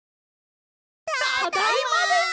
ただいまです！